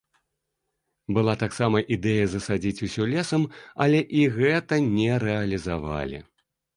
Была таксама ідэя засадзіць усё лесам, але і гэта не рэалізавалі.